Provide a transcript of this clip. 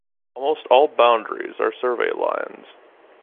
Almost all boundaries are survey lines.